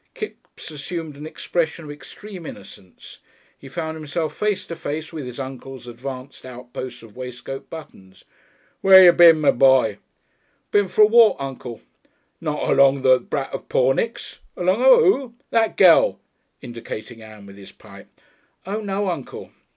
Kipps assumed an expression of extreme innocence. He found himself face to face with his uncle's advanced outposts of waistcoat buttons. "Where ye bin, my boy?" "Bin for a walk, uncle." "Not along of that brat of Pornick's?" "Along of who?" "That gell" indicating Ann with his pipe. "Oh, no, uncle!"